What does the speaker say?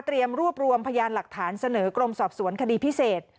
รวบรวมพยานหลักฐานเสนอกรมสอบสวนคดีพิเศษ